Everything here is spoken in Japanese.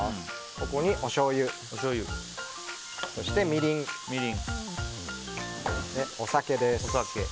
ここにおしょうゆ、みりんお酒です。